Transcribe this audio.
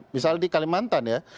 misalnya di kalimantan ya